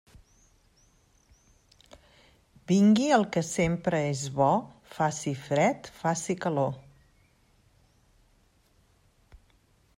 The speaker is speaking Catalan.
Vingui el que sempre és bo, faci fred, faci calor.